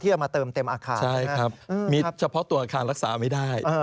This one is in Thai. เอามาเติมเต็มอาคารใช่ครับมีเฉพาะตัวอาคารรักษาไม่ได้